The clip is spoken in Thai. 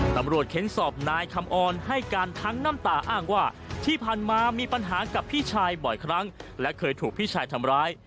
เค้นสอบนายคำออนให้การทั้งน้ำตาอ้างว่าที่ผ่านมามีปัญหากับพี่ชายบ่อยครั้งและเคยถูกพี่ชายทำร้าย